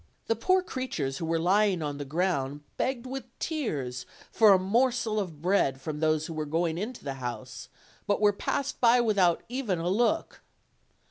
The poor creatures who were lying on the ground begged with tears for a morsel of bread from those who were go ing into the house, but were passed by without even a look.